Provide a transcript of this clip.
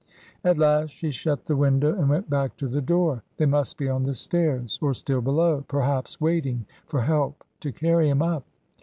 At last she shut the window and went back to the door. They must be on the stairs, or still below, perhaps, waiting for help to carry him up.